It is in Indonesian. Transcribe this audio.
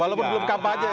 walaupun belum cap aja ya